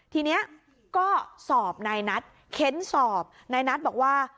ทีนี้ก็สอบในนัดเค้นสอบในนัดบอกว่า